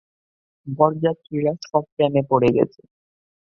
বরযাত্রীরা সব প্রেমে পড়ে গেছে।